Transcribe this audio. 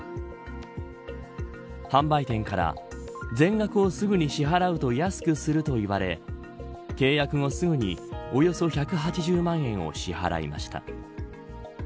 販売店から全額をすぐに支払うと安くすると言われ契約後すぐにおよそ１８０万円を支払いました。